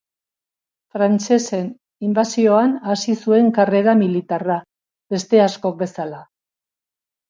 Frantsesen inbasioan hasi zuen karrera militarra, beste askok bezala.